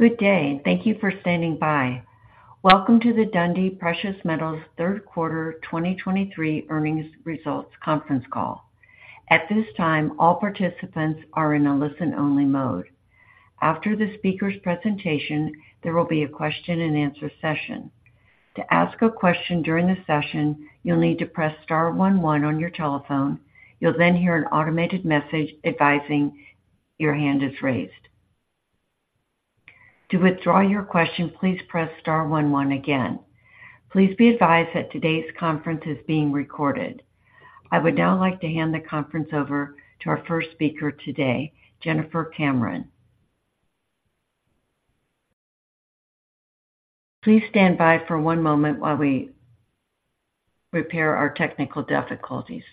Good day. Thank you for standing by. Welcome to the Dundee Precious Metals third quarter 2023 earnings results conference call. At this time, all participants are in a listen-only mode. After the speaker's presentation, there will be a question-and-answer session. To ask a question during the session, you'll need to press Star one one on your telephone. You'll then hear an automated message advising your hand is raised. To withdraw your question, please press Star one one again. Please be advised that today's conference is being recorded. I would now like to hand the conference over to our first speaker today, Jennifer Cameron. Please stand by for one moment while we repair our technical difficulties.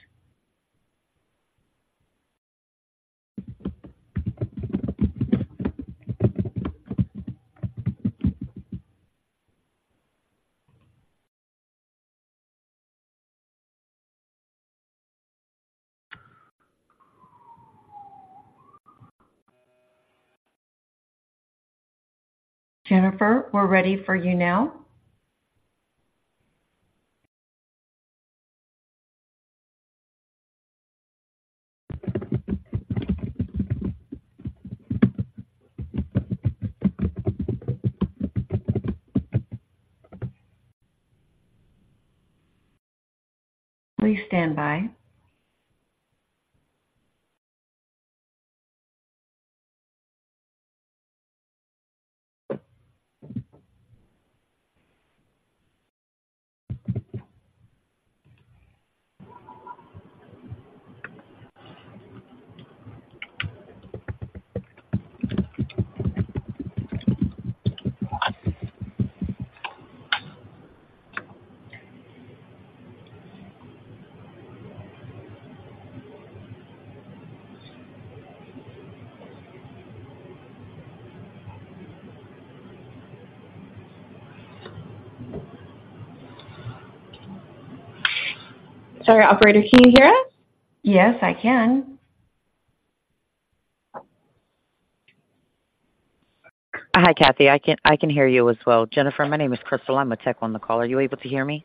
Jennifer, we're ready for you now. Please stand by. Sorry, operator, can you hear us? Yes, I can. Hi, Cathy. I can, I can hear you as well. Jennifer, my name is Crystal. I'm a tech on the call. Are you able to hear me?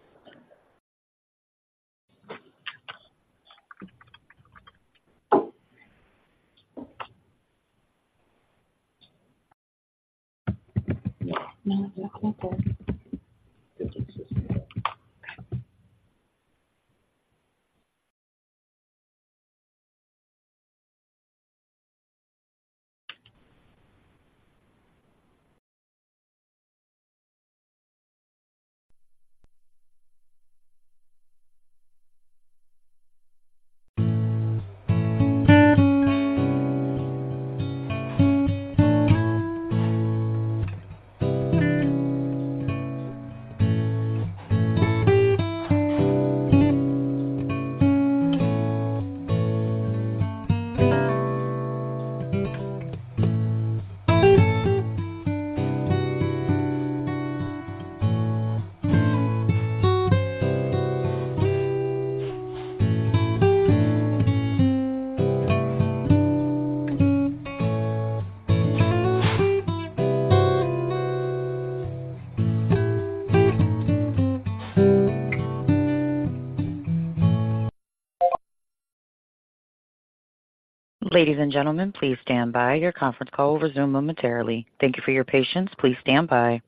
Ladies and gentlemen, please stand by. Your conference call will resume momentarily. Thank you for your patience. Please stand by.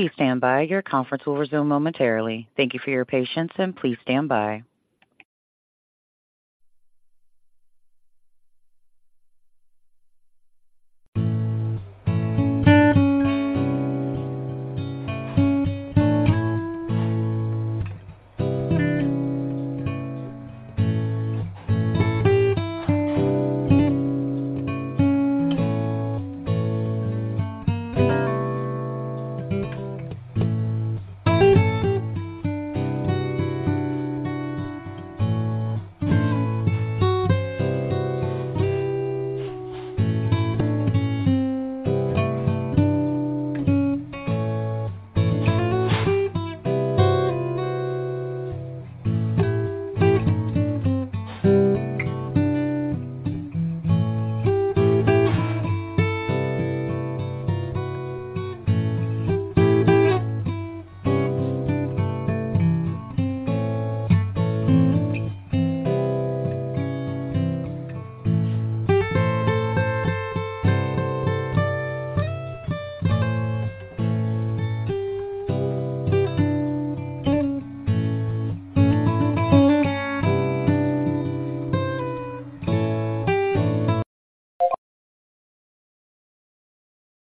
Please stand by. Your conference will resume momentarily. Thank you for your patience, and please stand by.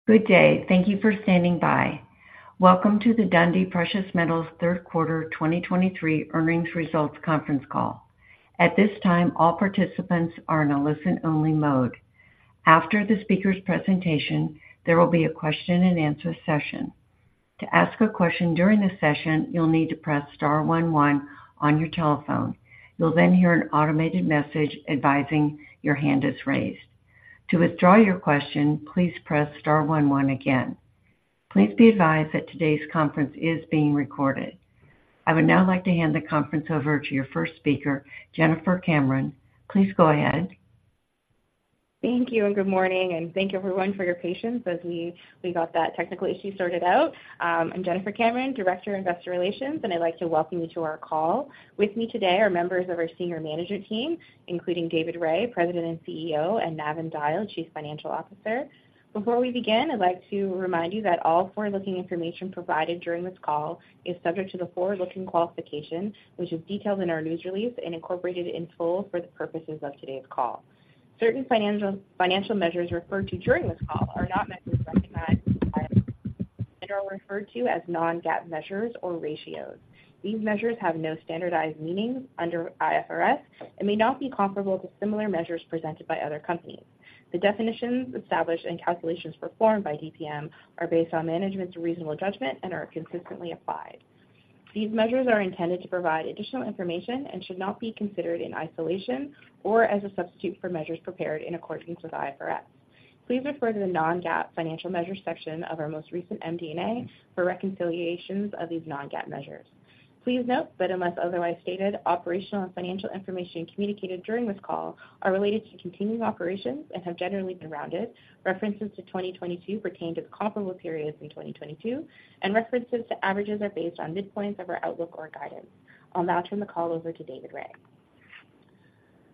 Good day. Thank you for standing by. Welcome to the Dundee Precious Metals third quarter 2023 earnings results conference call. At this time, all participants are in a listen-only mode. After the speaker's presentation, there will be a question-and-answer session. To ask a question during the session, you'll need to press Star one one on your telephone. You'll then hear an automated message advising your hand is raised. To withdraw your question, please press Star one one again. Please be advised that today's conference is being recorded. I would now like to hand the conference over to your first speaker, Jennifer Cameron. Please go ahead. Thank you, and good morning, and thank you, everyone, for your patience as we got that technical issue sorted out. I'm Jennifer Cameron, Director of Investor Relations, and I'd like to welcome you to our call. With me today are members of our senior management team, including David Rae, President and CEO, and Navin Dyal, Chief Financial Officer. Before we begin, I'd like to remind you that all forward-looking information provided during this call is subject to the forward-looking qualification, which is detailed in our news release and incorporated in full for the purposes of today's call. Certain financial measures referred to during this call are not measures recognized and are referred to as non-GAAP measures or ratios. These measures have no standardized meaning under IFRS and may not be comparable to similar measures presented by other companies. The definitions established and calculations performed by DPM are based on management's reasonable judgment and are consistently applied. These measures are intended to provide additional information and should not be considered in isolation or as a substitute for measures prepared in accordance with IFRS. Please refer to the non-GAAP financial measures section of our most recent MD&A for reconciliations of these non-GAAP measures. Please note that unless otherwise stated, operational and financial information communicated during this call are related to continuing operations and have generally been rounded. References to 2022 pertain to the comparable periods in 2022, and references to averages are based on midpoints of our outlook or guidance. I'll now turn the call over to David Rae.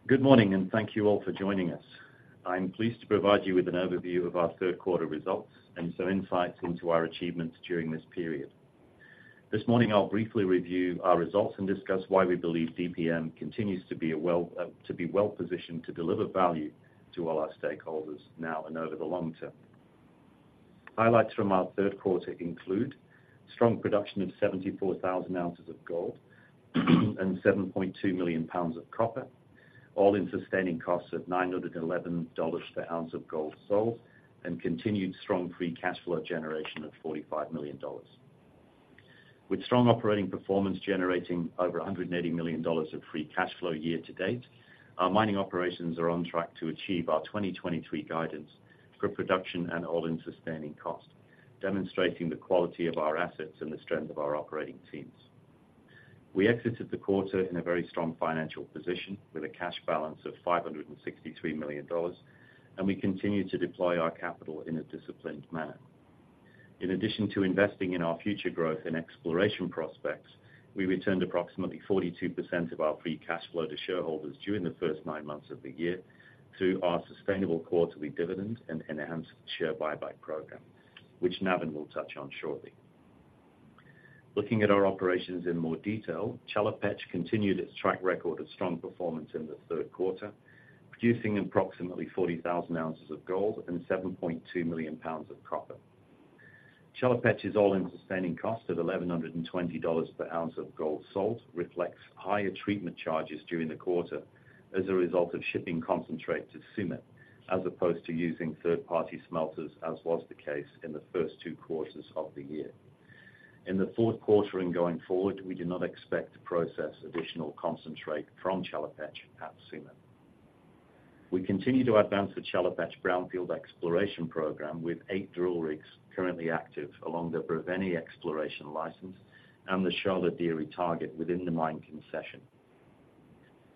Good morning, and thank you all for joining us. I'm pleased to provide you with an overview of our third quarter results and some insights into our achievements during this period. This morning, I'll briefly review our results and discuss why we believe DPM continues to be a well, to be well-positioned to deliver value to all our stakeholders now and over the long-term. Highlights from our third quarter include strong production of 74,000 ounces of gold and 7.2 million pounds of copper, all-in sustaining costs of $911 per ounce of gold sold, and continued strong free cash flow generation of $45 million. With strong operating performance generating over $180 million of free cash flow year-to-date, our mining operations are on track to achieve our 2023 guidance for production and all-in sustaining cost, demonstrating the quality of our assets and the strength of our operating teams. We exited the quarter in a very strong financial position with a cash balance of $563 million, and we continue to deploy our capital in a disciplined manner. In addition to investing in our future growth and exploration prospects, we returned approximately 42% of our free cash flow to shareholders during the first nine months of the year through our sustainable quarterly dividend and enhanced share buyback program, which Navin will touch on shortly. Looking at our operations in more detail, Chelopech continued its track record of strong performance in the third quarter, producing approximately 40,000 ounces of gold and 7.2 million pounds of copper. Chelopech's all-in sustaining cost of $1,120 per ounce of gold sold reflects higher treatment charges during the quarter as a result of shipping concentrate to Tsumeb, as opposed to using third-party smelters, as was the case in the first two quarters of the year. In the fourth quarter and going forward, we do not expect to process additional concentrate from Chelopech at Tsumeb. We continue to advance the Chelopech brownfield exploration program, with eight drill rigs currently active along the Brevene exploration license and the Sharlo Dere target within the mine concession.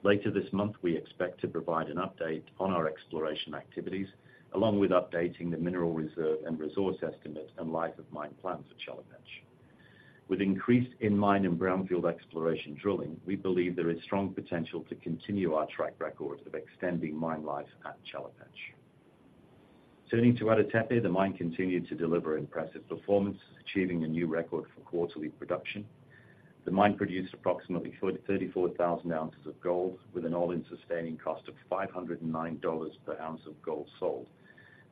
Later this month, we expect to provide an update on our exploration activities, along with updating the mineral reserve and resource estimates and life of mine plans for Chelopech. With increased in-mine and brownfield exploration drilling, we believe there is strong potential to continue our track record of extending mine life at Chelopech. Turning to Ada Tepe, the mine continued to deliver impressive performance, achieving a new record for quarterly production. The mine produced approximately 34,000 ounces of gold with an all-in sustaining cost of $509 per ounce of gold sold,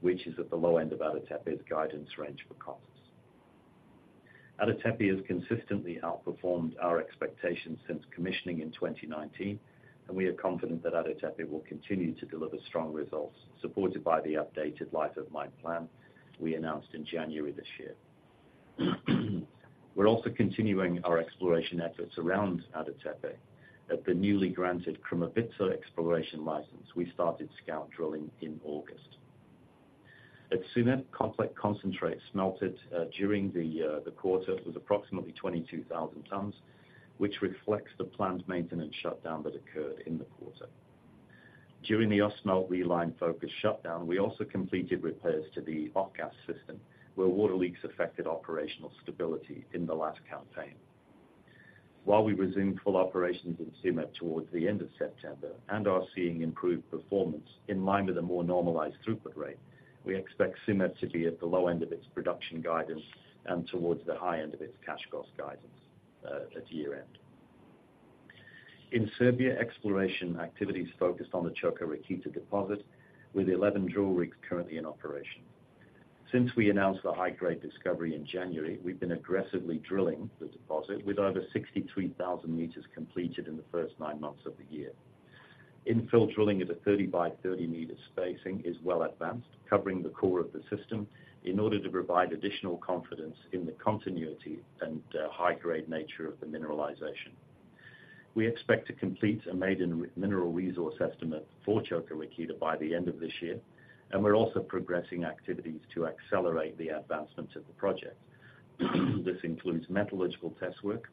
which is at the low end of Ada Tepe's guidance range for costs. Ada Tepe has consistently outperformed our expectations since commissioning in 2019, and we are confident that Ada Tepe will continue to deliver strong results, supported by the updated Life of Mine Plan we announced in January this year. We're also continuing our exploration efforts around Ada Tepe. At the newly granted Krumovitsa exploration license, we started scout drilling in August. At Tsumeb, complex concentrate smelted during the quarter was approximately 22,000 tons, which reflects the planned maintenance shutdown that occurred in the quarter. During the Ausmelt reline focus shutdown, we also completed repairs to the off-gas system, where water leaks affected operational stability in the last campaign. While we resumed full operations in Tsumeb towards the end of September and are seeing improved performance in line with a more normalized throughput rate, we expect Tsumeb to be at the low end of its production guidance and towards the high end of its cash cost guidance at year-end. In Serbia, exploration activities focused on the Čoka Rakita deposit, with 11 drill rigs currently in operation. Since we announced the high-grade discovery in January, we've been aggressively drilling the deposit, with over 63,000 meters completed in the first nine months of the year. Infill drilling at a 30 by 30 meter spacing is well advanced, covering the core of the system, in order to provide additional confidence in the continuity and high-grade nature of the mineralization. We expect to complete a maiden mineral resource estimate for Čoka Rakita by the end of this year, and we're also progressing activities to accelerate the advancement of the project. This includes metallurgical test work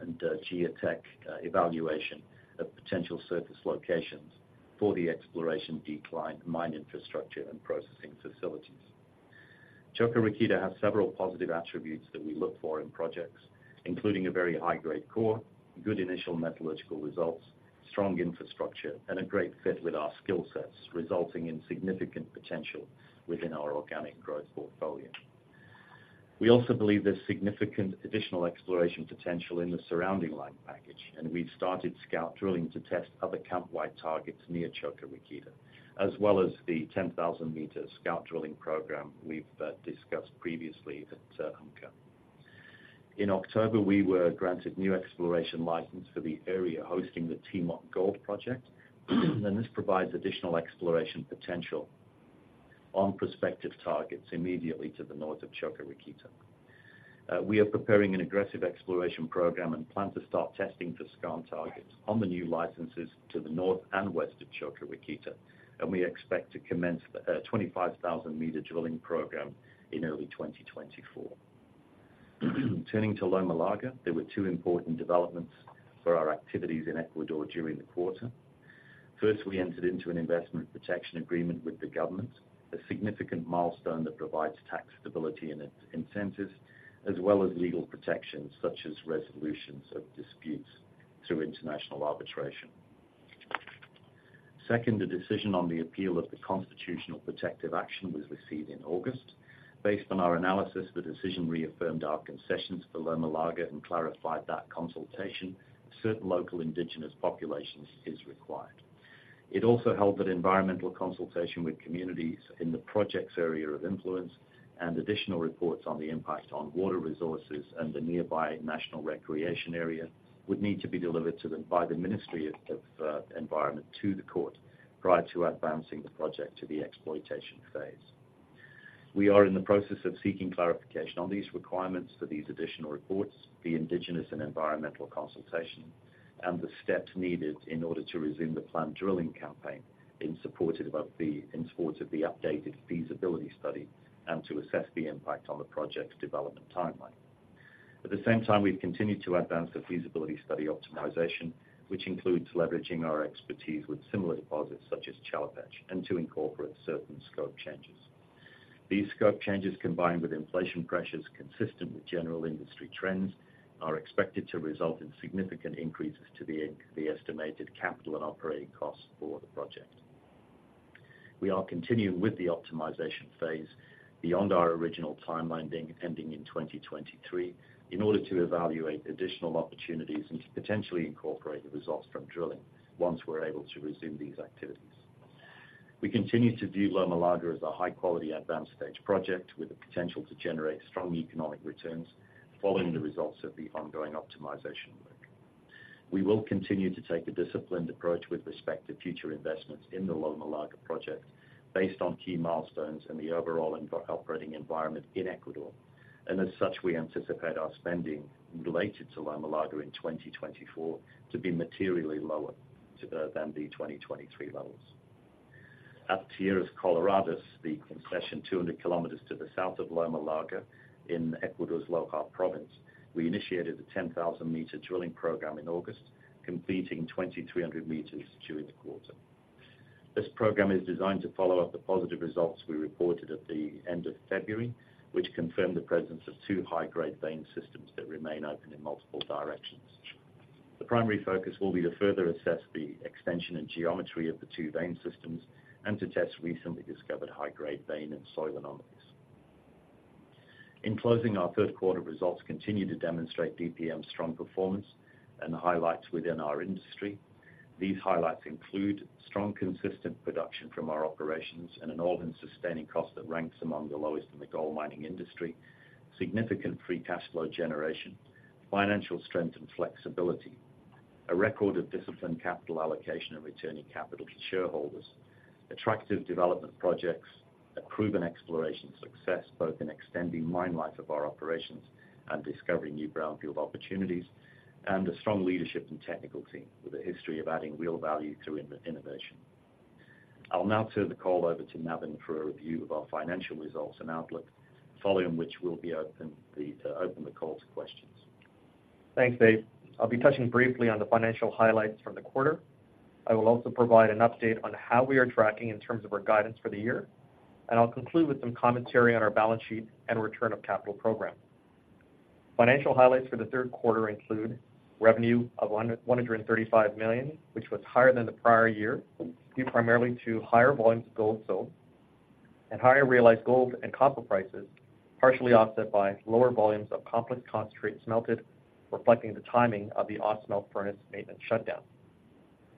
and geotech evaluation of potential surface locations for the exploration decline, mine infrastructure, and processing facilities. Čoka Rakita has several positive attributes that we look for in projects, including a very high-grade core, good initial metallurgical results, strong infrastructure, and a great fit with our skill sets, resulting in significant potential within our organic growth portfolio. We also believe there's significant additional exploration potential in the surrounding line package, and we've started scout drilling to test other camp-wide targets near Čoka Rakita, as well as the 10,000 m scout drilling program we've discussed previously at Umka. In October, we were granted new exploration license for the area hosting the Timok Gold Project, and this provides additional exploration potential on prospective targets immediately to the north of Čoka Rakita. We are preparing an aggressive exploration program and plan to start testing for skarn targets on the new licenses to the north and west of Čoka Rakita, and we expect to commence the 25,000-meter drilling program in early 2024. Turning to Loma Larga, there were two important developments for our activities in Ecuador during the quarter. First, we entered into an investment protection agreement with the government, a significant milestone that provides tax stability and incentives, as well as legal protections, such as resolutions of disputes through international arbitration. Second, the decision on the appeal of the constitutional protective action was received in August. Based on our analysis, the decision reaffirmed our concessions for Loma Larga and clarified that consultation of certain local indigenous populations is required. It also held that environmental consultation with communities in the project's area of influence, and additional reports on the impact on water resources and the nearby national recreation area, would need to be delivered to them by the Ministry of Environment to the court prior to advancing the project to the exploitation phase. We are in the process of seeking clarification on these requirements for these additional reports, the indigenous and environmental consultation, and the steps needed in order to resume the planned drilling campaign in support of the updated feasibility study, and to assess the impact on the project's development timeline. At the same time, we've continued to advance the feasibility study optimization, which includes leveraging our expertise with similar deposits such as Chelopech, and to incorporate certain scope changes. These scope changes, combined with inflation pressures consistent with general industry trends, are expected to result in significant increases to the estimated capital and operating costs for the project. We are continuing with the optimization phase beyond our original timeline ending in 2023, in order to evaluate additional opportunities and to potentially incorporate the results from drilling once we're able to resume these activities. We continue to view Loma Larga as a high-quality, advanced stage project with the potential to generate strong economic returns following the results of the ongoing optimization work. We will continue to take a disciplined approach with respect to future investments in the Loma Larga project, based on key milestones and the overall operating environment in Ecuador. As such, we anticipate our spending related to Loma Larga in 2024 to be materially lower than the 2023 levels. At Tierras Coloradas, the concession 200 km to the south of Loma Larga in Ecuador's Loja province, we initiated the 10,000 m drilling program in August, completing 2,300 m during the quarter. This program is designed to follow up the positive results we reported at the end of February, which confirmed the presence of two high-grade vein systems that remain open in multiple directions. The primary focus will be to further assess the extension and geometry of the two vein systems and to test recently discovered high-grade vein and soil anomalies. In closing, our third quarter results continue to demonstrate DPM's strong performance and the highlights within our industry. These highlights include strong, consistent production from our operations and an all-in sustaining cost that ranks among the lowest in the gold mining industry, significant free cash flow generation, financial strength and flexibility, a record of disciplined capital allocation and returning capital to shareholders, attractive development projects, a proven exploration success, both in extending mine life of our operations and discovering new brownfield opportunities, and a strong leadership and technical team with a history of adding real value through innovation. I'll now turn the call over to Navin for a review of our financial results and outlook, following which we'll open the call to questions. Thanks, Dave. I'll be touching briefly on the financial highlights from the quarter. I will also provide an update on how we are tracking in terms of our guidance for the year, and I'll conclude with some commentary on our balance sheet and return of capital program. Financial highlights for the third quarter include revenue of $135 million, which was higher than the prior year, due primarily to higher volumes of gold sold and higher realized gold and copper prices, partially offset by lower volumes of complex concentrates smelted, reflecting the timing of the Ausmelt furnace maintenance shutdown.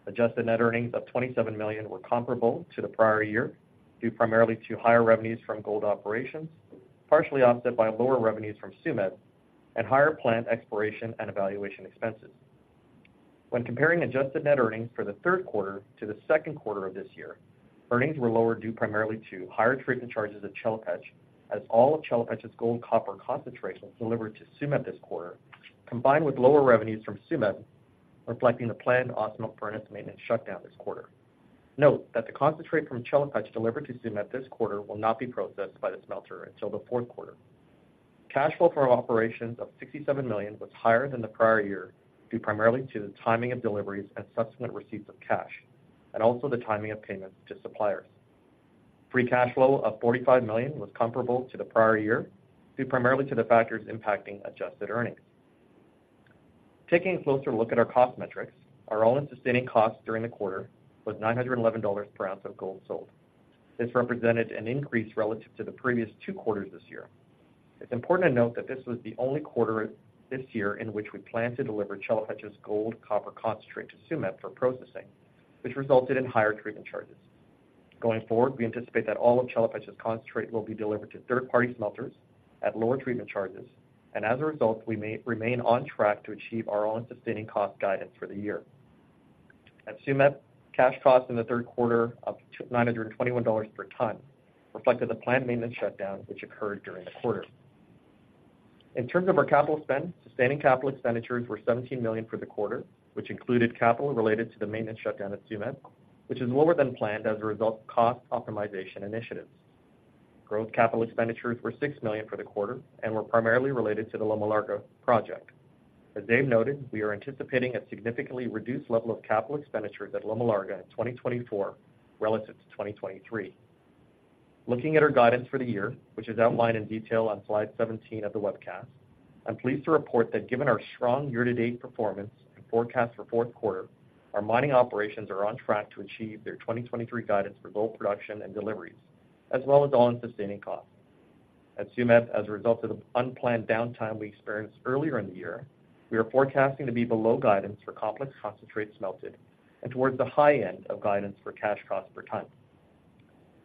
Adjusted net earnings of $27 million were comparable to the prior year, due primarily to higher revenues from gold operations, partially offset by lower revenues from Tsumeb and higher plant exploration and evaluation expenses. When comparing adjusted net earnings for the third quarter to the second quarter of this year, earnings were lower, due primarily to higher treatment charges at Chelopech, as all of Chelopech's gold-copper concentrates delivered to Tsumeb this quarter, combined with lower revenues from Tsumeb, reflecting the planned Ausmelt furnace maintenance shutdown this quarter. Note that the concentrate from Chelopech delivered to Tsumeb this quarter will not be processed by the smelter until the fourth quarter. Cash flow from operations of $67 million was higher than the prior year, due primarily to the timing of deliveries and subsequent receipts of cash, and also the timing of payments to suppliers. Free cash flow of $45 million was comparable to the prior year, due primarily to the factors impacting adjusted earnings. Taking a closer look at our cost metrics, our all-in sustaining costs during the quarter was $911 per ounce of gold sold. This represented an increase relative to the previous two quarters this year. It's important to note that this was the only quarter this year in which we planned to deliver Chelopech's gold-copper concentrate to Tsumeb for processing, which resulted in higher treatment charges. Going forward, we anticipate that all of Chelopech's concentrate will be delivered to third-party smelters at lower treatment charges, and as a result, we may remain on track to achieve our all-in sustaining cost guidance for the year. At Tsumeb, cash costs in the third quarter of $921 per ton, reflected the planned maintenance shutdown, which occurred during the quarter. In terms of our capital spend, sustaining capital expenditures were $17 million for the quarter, which included capital related to the maintenance shutdown at Tsumeb, which is lower than planned as a result of cost optimization initiatives. Growth capital expenditures were $6 million for the quarter and were primarily related to the Loma Larga project. As Dave noted, we are anticipating a significantly reduced level of capital expenditures at Loma Larga in 2024 relative to 2023. Looking at our guidance for the year, which is outlined in detail on slide 17 of the webcast, I'm pleased to report that given our strong year-to-date performance and forecast for fourth quarter, our mining operations are on track to achieve their 2023 guidance for gold production and deliveries, as well as all-in sustaining costs. At Tsumeb, as a result of the unplanned downtime we experienced earlier in the year, we are forecasting to be below guidance for complex concentrates smelted and towards the high end of guidance for cash costs per ton.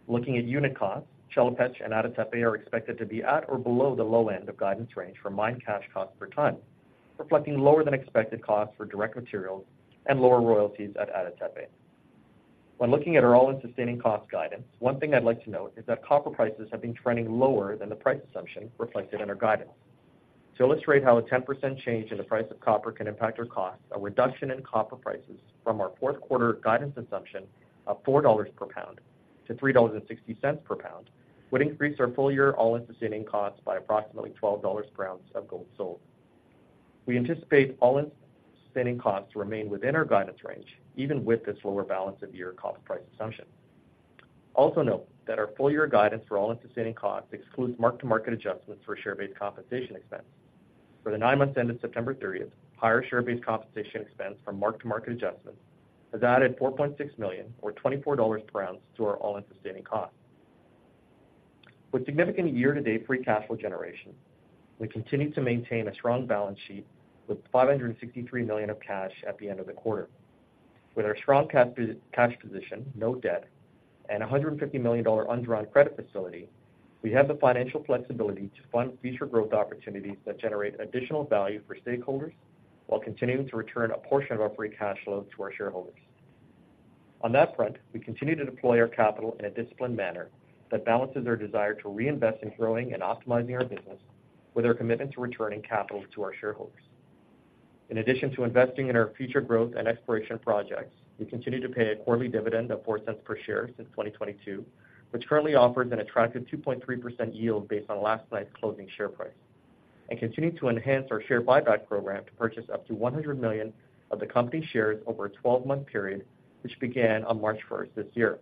Looking at unit costs, Chelopech and Ada Tepe are expected to be at or below the low end of guidance range for mine cash costs per ton, reflecting lower than expected costs for direct materials and lower royalties at Ada Tepe. When looking at our all-in sustaining cost guidance, one thing I'd like to note is that copper prices have been trending lower than the price assumption reflected in our guidance. To illustrate how a 10% change in the price of copper can impact our costs, a reduction in copper prices from our fourth quarter guidance assumption of $4 per pound to $3.60 per pound, would increase our full-year all-in sustaining costs by approximately $12 per ounce of gold sold. We anticipate all-in sustaining costs to remain within our guidance range, even with this lower balance of year copper price assumption. Also note that our full-year guidance for all-in sustaining costs excludes mark-to-market adjustments for share-based compensation expense. For the nine months ended September 30th, higher share-based compensation expense from mark-to-market adjustments has added $4.6 million, or $24 per ounce, to our all-in sustaining costs. With significant year-to-date free cash flow generation, we continue to maintain a strong balance sheet with $563 million of cash at the end of the quarter. With our strong cash position, no debt, and a $150 million undrawn credit facility, we have the financial flexibility to fund future growth opportunities that generate additional value for stakeholders, while continuing to return a portion of our free cash flow to our shareholders. On that front, we continue to deploy our capital in a disciplined manner that balances our desire to reinvest in growing and optimizing our business with our commitment to returning capital to our shareholders. In addition to investing in our future growth and exploration projects, we continue to pay a quarterly dividend of $0.04 per share since 2022, which currently offers an attractive 2.3% yield based on last night's closing share price, and continue to enhance our share buyback program to purchase up to 100 million of the company's shares over a 12-month period, which began on March 1st this year.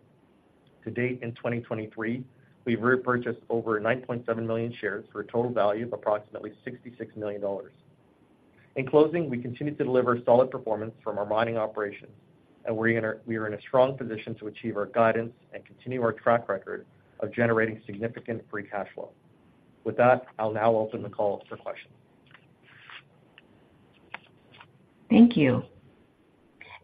To date, in 2023, we've repurchased over 9.7 million shares for a total value of approximately $66 million. In closing, we continue to deliver solid performance from our mining operations, and we're in a strong position to achieve our guidance and continue our track record of generating significant free cash flow. With that, I'll now open the call for questions. Thank you.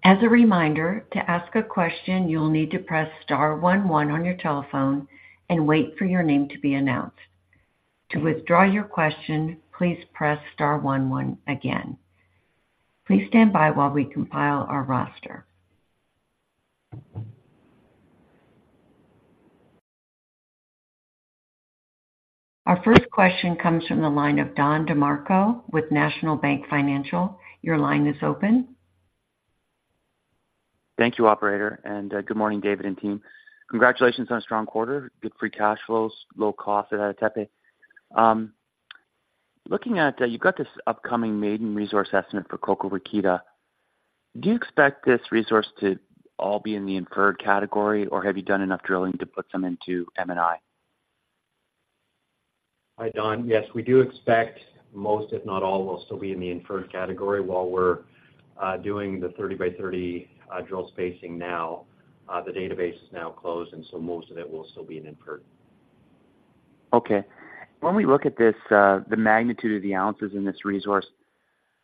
As a reminder, to ask a question, you'll need to press Star one one on your telephone and wait for your name to be announced. To withdraw your question, please press Star one one again. Please stand by while we compile our roster. Our first question comes from the line of Don DeMarco with National Bank Financial. Your line is open. Thank you, operator, and good morning, David and team. Congratulations on a strong quarter, good free cash flows, low cost at Ada Tepe. Looking at, you've got this upcoming maiden resource estimate for Čoka Rakita. Do you expect this resource to all be in the inferred category, or have you done enough drilling to put some into M&I? Hi, Don. Yes, we do expect most, if not all, will still be in the inferred category. While we're doing the 30 by 30 drill spacing now, the database is now closed, and so most of it will still be in inferred. Okay. When we look at this, the magnitude of the ounces in this resource,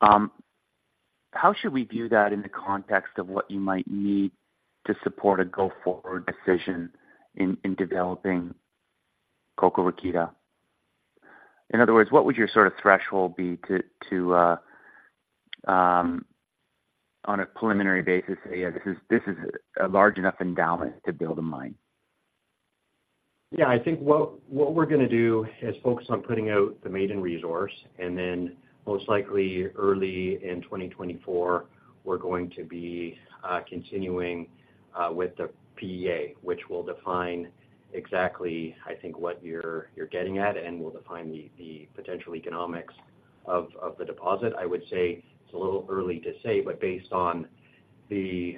how should we view that in the context of what you might need to support a go-forward decision in, in developing Čoka Rakita? In other words, what would your sort of threshold be to, to, on a preliminary basis, say, yeah, this is, this is a large enough endowment to build a mine? Yeah, I think what, what we're gonna do is focus on putting out the maiden resource, and then most likely, early in 2024, we're going to be continuing with the PEA, which will define exactly, I think, what you're, you're getting at, and will define the, the potential economics of, of the deposit. I would say it's a little early to say, but based on the,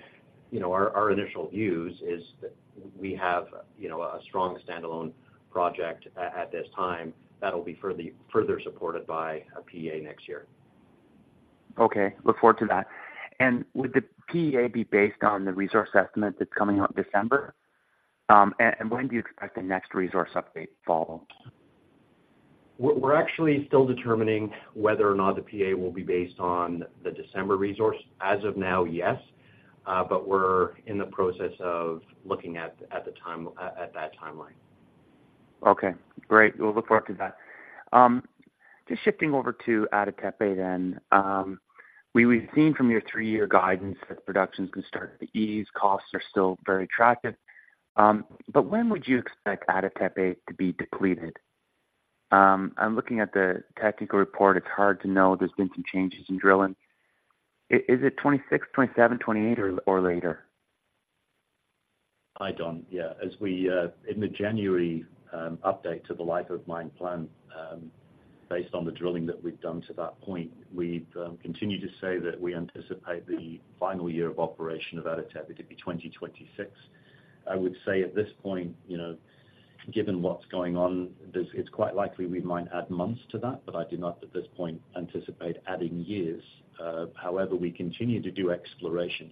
you know, our, our initial views is that we have, you know, a strong standalone project at, at this time, that'll be further, further supported by a PEA next year. Okay. Look forward to that. And would the PEA be based on the resource estimate that's coming out December? And when do you expect the next resource update to follow? We're actually still determining whether or not the PEA will be based on the December resource. As of now, yes, but we're in the process of looking at the time at that timeline. Okay, great. We'll look forward to that. Just shifting over to Ada Tepe then. We've seen from your three-year guidance that production's going to start to ease, costs are still very attractive, but when would you expect Ada Tepe to be depleted? I'm looking at the technical report, it's hard to know. There's been some changes in drilling. Is it 2026, 2027, 2028 or later? Hi, Don. Yeah, as we in the January update to the life of mine plan, based on the drilling that we've done to that point, we've continued to say that we anticipate the final year of operation of Ada Tepe to be 2026. I would say at this point, you know, given what's going on, there is, it's quite likely we might add months to that, but I do not, at this point, anticipate adding years. However, we continue to do exploration.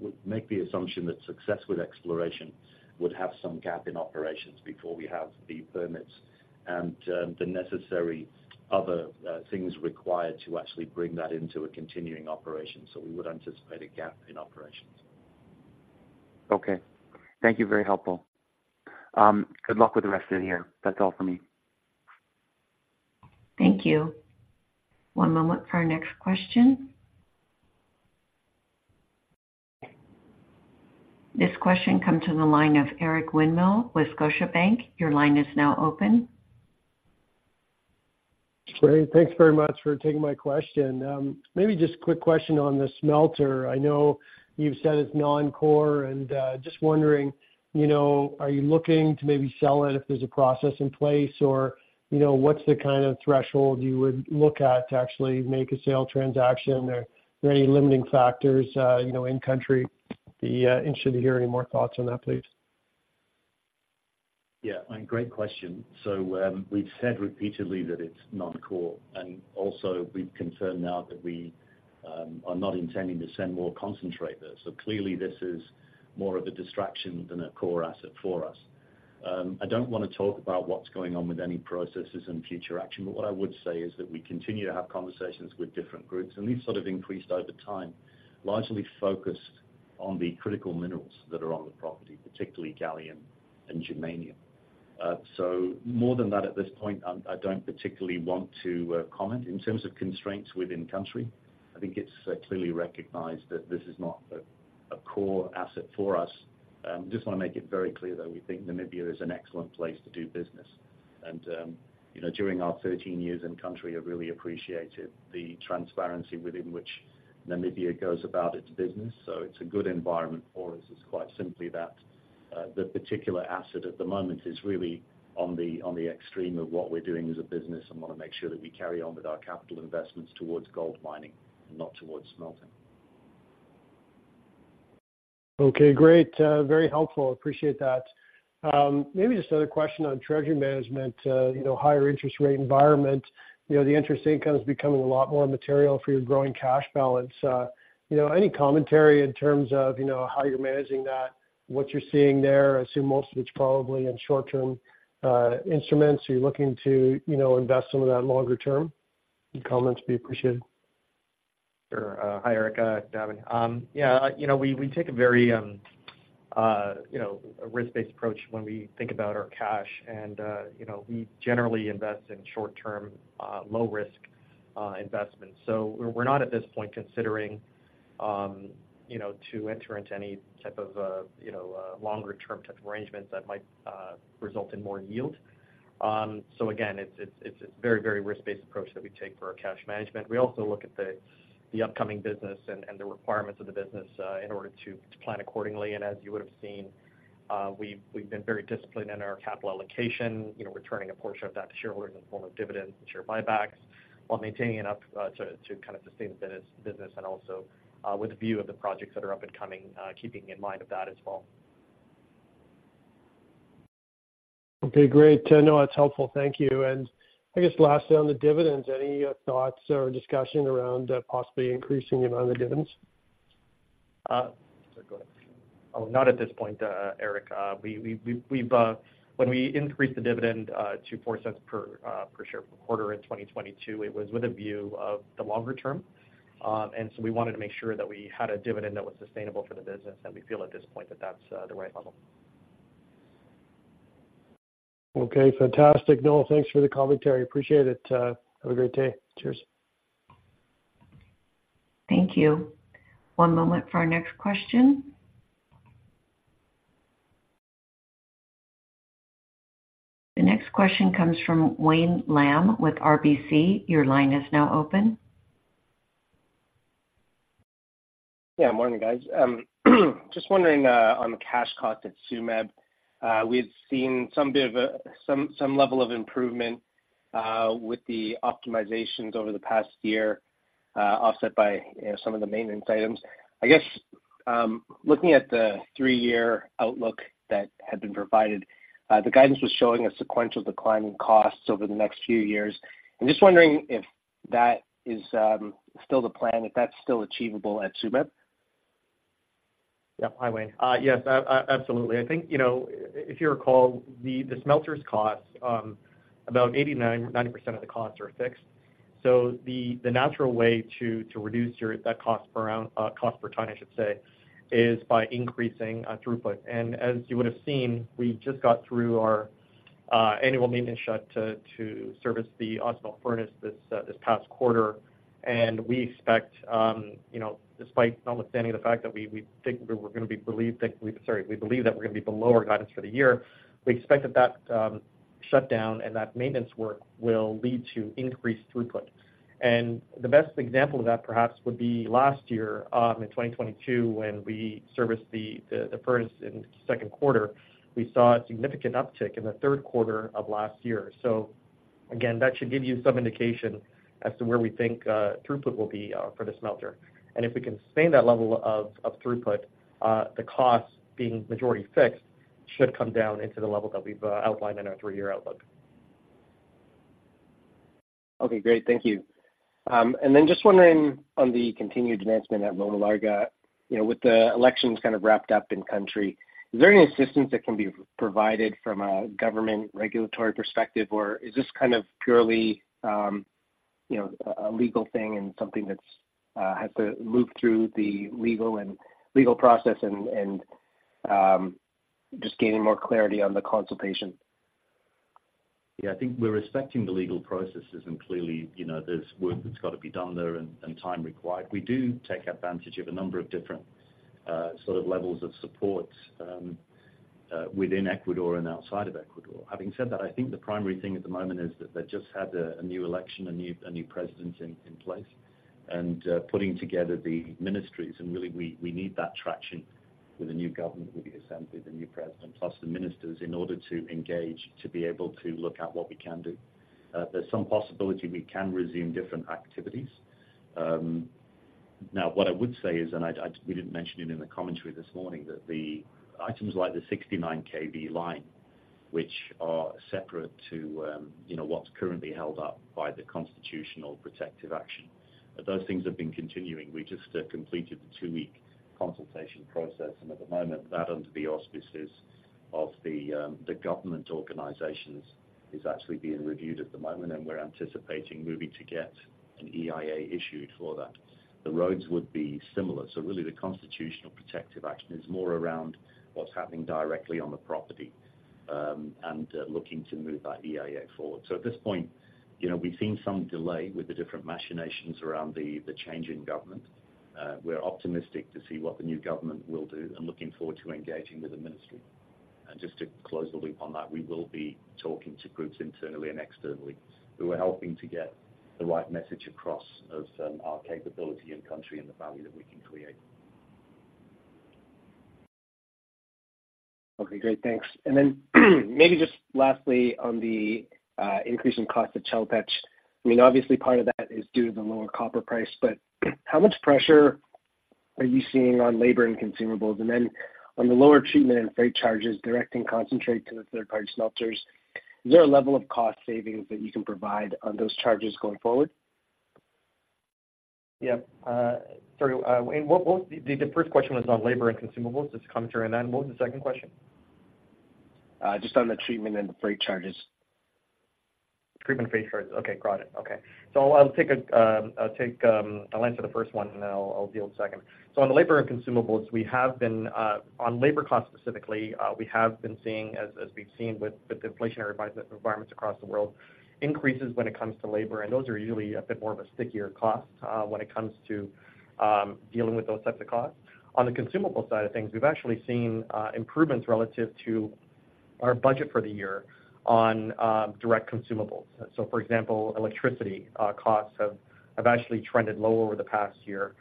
We make the assumption that success with exploration would have some gap in operations before we have the permits and the necessary other things required to actually bring that into a continuing operation. So we would anticipate a gap in operations. Okay. Thank you, very helpful. Good luck with the rest of the year. That's all for me. Thank you. One moment for our next question. This question comes from the line of Eric Winmill with Scotiabank. Your line is now open. Great. Thanks very much for taking my question. Maybe just a quick question on the smelter. I know you've said it's non-core, and just wondering, you know, are you looking to maybe sell it if there's a process in place? Or, you know, what's the kind of threshold you would look at to actually make a sale transaction? Are there any limiting factors, you know, in country? I'd be interested to hear any more thoughts on that, please. Yeah, and great question. So, we've said repeatedly that it's non-core, and also we've confirmed now that we are not intending to send more concentrate there. So clearly this is more of a distraction than a core asset for us.... I don't wanna talk about what's going on with any processes and future action, but what I would say is that we continue to have conversations with different groups, and these sort of increased over time, largely focused on the critical minerals that are on the property, particularly gallium and germanium. So more than that, at this point, I don't particularly want to comment. In terms of constraints within country, I think it's clearly recognized that this is not a core asset for us. Just wanna make it very clear that we think Namibia is an excellent place to do business. And, you know, during our 13 years in country, I've really appreciated the transparency within which Namibia goes about its business, so it's a good environment for us. It's quite simply that, the particular asset at the moment is really on the, on the extreme of what we're doing as a business, and wanna make sure that we carry on with our capital investments towards gold mining and not towards smelting. Okay, great. Very helpful. Appreciate that. Maybe just another question on treasury management. You know, higher interest rate environment, you know, the interest income is becoming a lot more material for your growing cash balance. You know, any commentary in terms of, you know, how you're managing that, what you're seeing there? I assume most of it's probably in short-term instruments. Are you looking to, you know, invest some of that longer-term? Any comments would be appreciated. Sure. Hi, Eric, Navin, yeah, you know, we take a very, you know, a risk-based approach when we think about our cash, and, you know, we generally invest in short-term, low risk, investments. So we're not at this point considering, you know, to enter into any type of, you know, longer term type arrangements that might, result in more yield. So again, it's a very, very risk-based approach that we take for our cash management. We also look at the upcoming business and the requirements of the business, in order to plan accordingly. As you would've seen, we've been very disciplined in our capital allocation, you know, returning a portion of that to shareholders in the form of dividends and share buybacks, while maintaining enough to kind of sustain the business, and also with a view of the projects that are up and coming, keeping in mind of that as well. Okay, great. No, that's helpful. Thank you. And I guess lastly, on the dividends, any thoughts or discussion around possibly increasing the amount of the dividends? Sorry, go ahead. Oh, not at this point, Eric. When we increased the dividend to 0.04 per share per quarter in 2022, it was with a view of the longer-term. And so we wanted to make sure that we had a dividend that was sustainable for the business, and we feel at this point that that's the right level. Okay, fantastic, Navin, thanks for the commentary. Appreciate it, have a great day. Cheers. Thank you. One moment for our next question. The next question comes from Wayne Lam with RBC. Your line is now open. Yeah, morning, guys. Just wondering, on the cash cost at Tsumeb, we've seen some bit of a, some, some level of improvement, with the optimizations over the past year, offset by, you know, some of the maintenance items. I guess, looking at the three-year outlook that had been provided, the guidance was showing a sequential decline in costs over the next few years. I'm just wondering if that is, still the plan, if that's still achievable at Tsumeb? Yep. Hi, Wayne. Yes, absolutely. I think, you know, if you recall, the smelter's costs, about 89%-90% of the costs are fixed. So the natural way to reduce your, that cost per around, cost per ton, I should say, is by increasing throughput. And as you would've seen, we just got through our annual maintenance shut to service the Ausmelt furnace this past quarter. And we expect, you know, despite notwithstanding the fact that we think we're gonna be, believe that, sorry, we believe that we're gonna be below our guidance for the year, we expect that shutdown and that maintenance work will lead to increased throughput. And the best example of that, perhaps, would be last year in 2022, when we serviced the furnace in second quarter, we saw a significant uptick in the third quarter of last year. So again, that should give you some indication as to where we think throughput will be for the smelter. And if we can sustain that level of throughput, the costs, being majority fixed, should come down into the level that we've outlined in our three-year outlook. Okay, great. Thank you. And then just wondering on the continued advancement at Loma Larga, you know, with the elections kind of wrapped up in country, is there any assistance that can be provided from a government regulatory perspective, or is this kind of purely, you know, a legal thing and something that's has to move through the legal and legal process and, and, just gaining more clarity on the consultation? Yeah, I think we're respecting the legal processes, and clearly, you know, there's work that's got to be done there and time required. We do take advantage of a number of different, sort of levels of support, within Ecuador and outside of Ecuador. Having said that, I think the primary thing at the moment is that they just had a new election, a new president in place, and putting together the ministries, and really, we need that traction with the new government, with the assembly, the new president, plus the ministers, in order to engage, to be able to look at what we can do. There's some possibility we can resume different activities... Now, what I would say is, and I, we didn't mention it in the commentary this morning, that the items like the 69 kV line, which are separate to, you know, what's currently held up by the constitutional protective action, those things have been continuing. We just completed the two-week consultation process, and at the moment, that under the auspices of the, the government organizations, is actually being reviewed at the moment, and we're anticipating moving to get an EIA issued for that. The roads would be similar. So really, the constitutional protective action is more around what's happening directly on the property, and looking to move that EIA forward. So at this point, you know, we've seen some delay with the different machinations around the change in government. We're optimistic to see what the new government will do and looking forward to engaging with the ministry. Just to close the loop on that, we will be talking to groups internally and externally who are helping to get the right message across of our capability and country and the value that we can create. Okay, great. Thanks. And then maybe just lastly, on the increase in cost of Chelopech. I mean, obviously, part of that is due to the lower copper price, but how much pressure are you seeing on labor and consumables? And then on the lower treatment and freight charges, directing concentrate to the third-party smelters, is there a level of cost savings that you can provide on those charges going forward? Yeah, sorry, and what the first question was on labor and consumables, just commentary on that. And what was the second question? Just on the treatment and the freight charges. Treatment and freight charges. Okay, got it. Okay. So I'll answer the first one, and then I'll deal with the second. So on the labor and consumables, we have been on labor costs specifically, we have been seeing as we've seen with inflationary environments across the world, increases when it comes to labor, and those are usually a bit more of a stickier cost when it comes to dealing with those types of costs. On the consumable side of things, we've actually seen improvements relative to our budget for the year on direct consumables. So for example, electricity costs have actually trended low over the past year.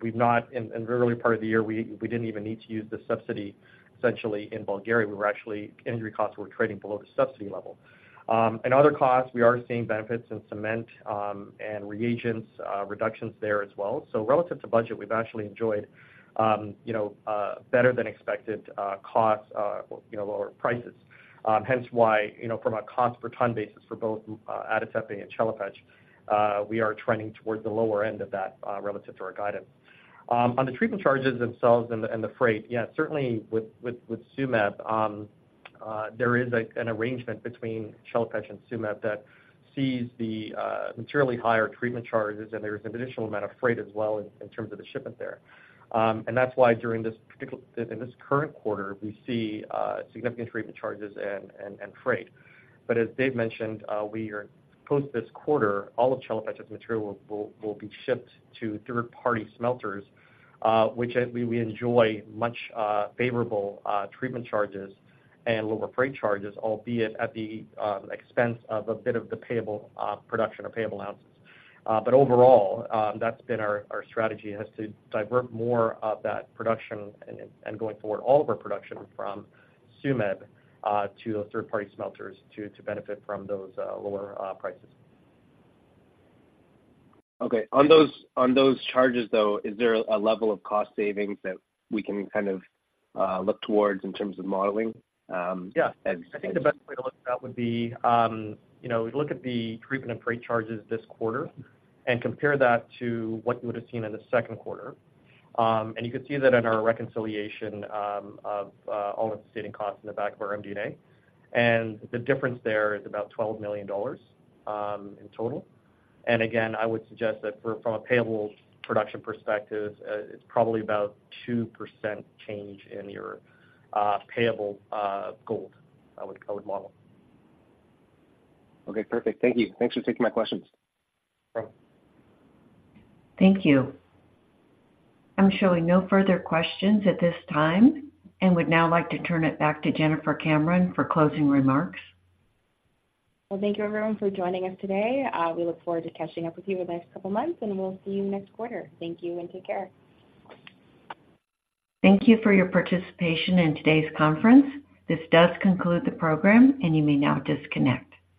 We've not, in the early part of the year, we didn't even need to use the subsidy, essentially, in Bulgaria. We were actually, energy costs were trading below the subsidy level. In other costs, we are seeing benefits in cement, and reagents, reductions there as well. So relative to budget, we've actually enjoyed, you know, better than expected, costs, you know, lower prices. Hence why, you know, from a cost per ton basis for both, Ada Tepe and Chelopech, we are trending towards the lower end of that, relative to our guidance. On the treatment charges themselves and the freight, yeah, certainly with Tsumeb, there is an arrangement between Chelopech and Tsumeb that sees the materially higher treatment charges, and there is an additional amount of freight as well in terms of the shipment there. And that's why during this particular, in this current quarter, we see significant treatment charges and freight. But as Dave mentioned, post this quarter, all of Chelopech's material will be shipped to third-party smelters, which as we enjoy much favorable treatment charges and lower freight charges, albeit at the expense of a bit of the payable production or payable ounces. But overall, that's been our strategy, is to divert more of that production and going forward, all of our production from Tsumeb to those third-party smelters to benefit from those lower prices. Okay. On those, on those charges, though, is there a level of cost savings that we can kind of look towards in terms of modeling? Yeah. I think the best way to look at that would be, you know, look at the treatment and freight charges this quarter and compare that to what you would have seen in the second quarter. And you can see that in our reconciliation of all-in sustaining costs in the back of our MD&A. And the difference there is about $12 million in total. And again, I would suggest that for, from a payable production perspective, it's probably about 2% change in your payable gold, I would, I would model. Okay, perfect. Thank you. Thanks for taking my questions. Thanks. Thank you. I'm showing no further questions at this time and would now like to turn it back to Jennifer Cameron for closing remarks. Well, thank you everyone for joining us today. We look forward to catching up with you in the next couple of months, and we'll see you next quarter. Thank you and take care. Thank you for your participation in today's conference. This does conclude the program, and you may now disconnect.